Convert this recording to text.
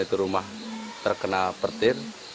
itu rumah terkena pertir